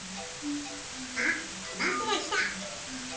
あっバスがきた！